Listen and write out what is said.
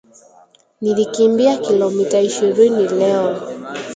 Nilikimbia kilomita ishirini leo